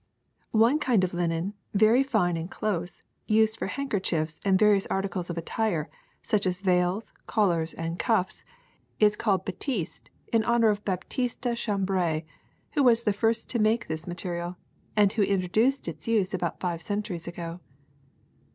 One kind of linen, very fine and close, used for handkerchiefs and 53 54 THE SECRET OF EVERYDAY THINGS various articles of attire, such as veils, collars, and cuffs, is called batiste in honor of Baptiste Chambrai who was the first to make this material, and who in troduced its use about five centuries ago.